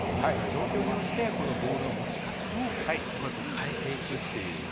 状況に応じてボールの持ち方も変えていくという。